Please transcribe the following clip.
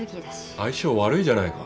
相性悪いじゃないか。